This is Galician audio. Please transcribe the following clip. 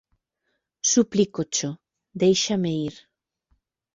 Suplícocho, déixame ir.